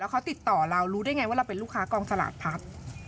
เขาติดต่อเรารู้ได้ไงว่าเราเป็นลูกค้ากองสลากพัด